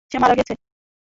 সে মারা গেছে।